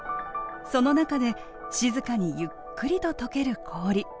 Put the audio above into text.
その中で静かにゆっくりと溶ける氷。